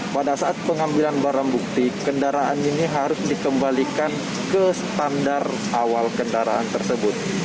pada saat pengambilan barang bukti kendaraan ini harus dikembalikan ke standar awal kendaraan tersebut